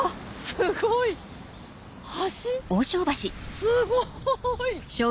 すごい！お！